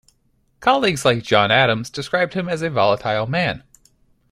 Colleagues like John Adams described him as a volatile man.